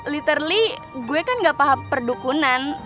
literly gue kan gak paham perdukunan